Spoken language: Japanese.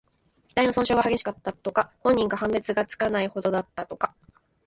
遺体の損傷が激しかった、とか。本人か判別がつかないほどだった、とか。